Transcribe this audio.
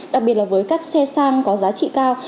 đặc biệt là với các xe sang có giá trị cao